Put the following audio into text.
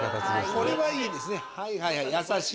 これはいいですね優しい。